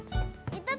biar cepet punya anak